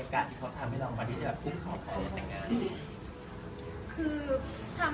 มีโอกาสที่เขาทำให้เรามาที่จะคุกของเขาในแต่งงาน